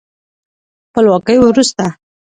خپلواکۍ وروسته